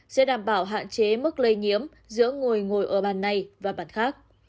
sẽ đảm bảo hạn chế mức lây nhiễm giữa người ngồi ở bàn này và bàn khác